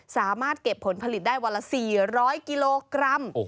สามารถเก็บผลผลิตได้วันละ๔๐๐กิโลกรัม